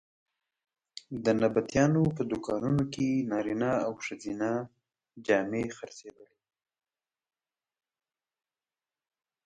د نبطیانو په دوکانونو کې نارینه او ښځینه جامې خرڅېدلې.